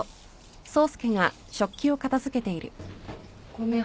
ごめん。